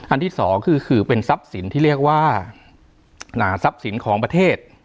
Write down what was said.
ที่สองคือเป็นทรัพย์สินที่เรียกว่าหนาทรัพย์สินของประเทศ